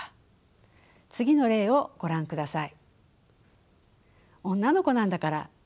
次の例をご覧ください。